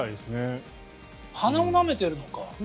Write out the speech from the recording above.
鼻をなめてるのか。